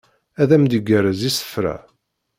Ad am d-igerrez isefra